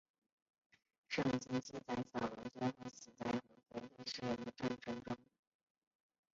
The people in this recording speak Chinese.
圣经记载扫罗最后死在和非利士人的战争中。